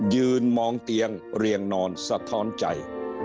ยืนมองเตียงเรียงนอนสะท้อนใจ